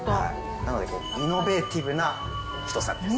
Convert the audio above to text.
なのでイノベーティブな一皿です。